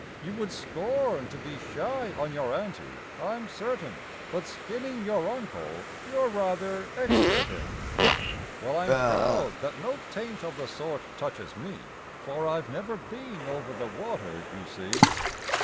You would scorn to be shy on your ante, I'm certain, But skinning your Uncle you're rather expert in. Well, I'm proud that no taint of the sort touches me. (For I've never been over the water, you see.)